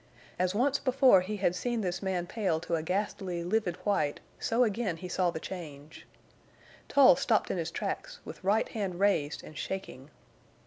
As once before he had seen this man pale to a ghastly, livid white so again he saw the change. Tull stopped in his tracks, with right hand raised and shaking.